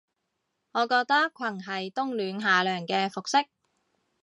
我覺得裙係冬暖夏涼嘅服飾